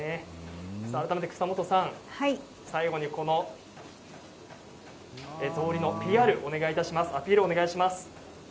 改めて草本さん、最後にぞうりのＰＲをお願いします。